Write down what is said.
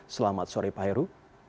selamat sore pak heru